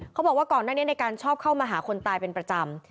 ก่อนหน้านี้ในการชอบเข้ามาหาคนตายเป็นประจำ